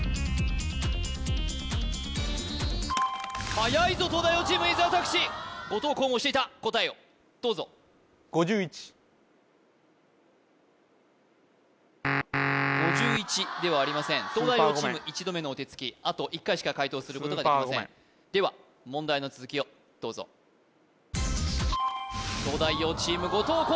はやいぞ東大王チーム伊沢拓司後藤弘も押していた答えをどうぞ５１ではありません東大王チーム１度目のお手つきあと１回しか解答することができませんでは問題の続きをどうぞ東大王チーム後藤弘